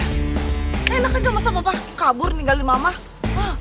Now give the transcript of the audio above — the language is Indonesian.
eh enak aja masa papa kabur ninggalin mama